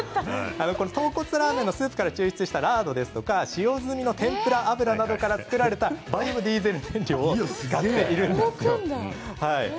豚骨ラーメンのスープから抽出したラードや使用済みの天ぷら油から作られたバイオディーゼル燃料を使っているんです。